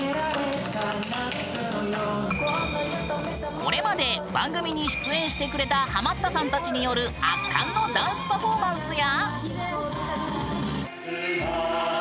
これまで番組に出演してくれたハマったさんたちによる圧巻のダンスパフォーマンスや。